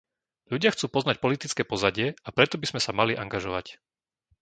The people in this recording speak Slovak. Ľudia chcú poznať politické pozadie a preto by sme sa mali angažovať.